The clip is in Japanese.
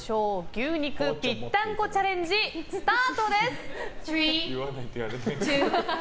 牛肉ぴったんこチャレンジスタートです！